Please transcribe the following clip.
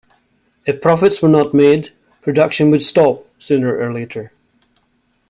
If profits were not made, production would stop sooner or later.